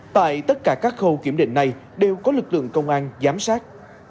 tại tất cả các khâu kiểm định này đều có lực lượng công an giám sát